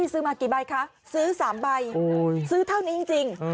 ซื้อมากี่ใบคะซื้อ๓ใบซื้อเท่านี้จริง